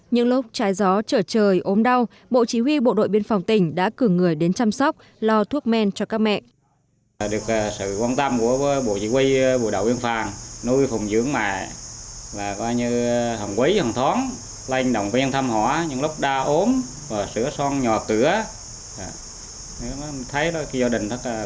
những lúc trái gió trở trời ốm đau bộ chí huy bộ đội biên phòng tỉnh đã cử người đến chăm sóc lo thuốc men cho các mẹ